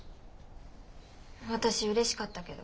私うれしかったけど。